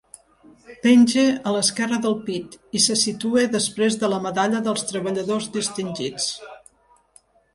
Penja a l'esquerra del pit, i se situa després de la Medalla dels Treballadors Distingits.